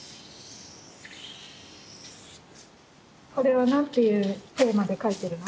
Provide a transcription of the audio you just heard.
これは何ていうテーマで描いてるの？